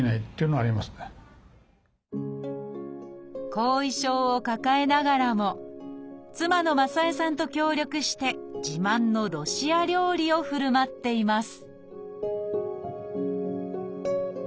後遺症を抱えながらも妻の正恵さんと協力して自慢のロシア料理をふるまっています